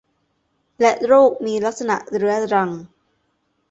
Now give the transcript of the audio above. และโรคมีลักษณะเรื้อรัง